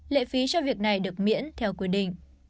lệ phí cho việc này được miễn theo quy định